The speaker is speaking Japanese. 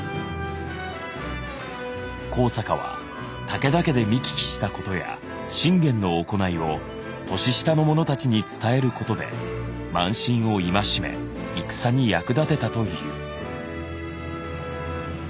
高坂は武田家で見聞きしたことや信玄の行いを年下の者たちに伝えることで慢心を戒め戦に役立てたという。